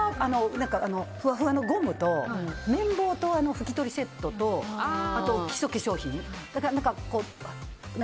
私はふわふわのゴムと綿棒と拭き取りセットと基礎化粧品。